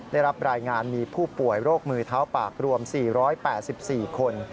ได้รับรายงานมีผู้ป่วยโรคมือเท้าปากรวม๔๘๔คน